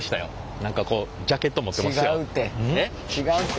何かこうジャケット持ってますよ。